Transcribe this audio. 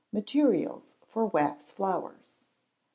Materials for Wax Flowers.